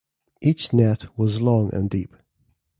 Each net was long and deep.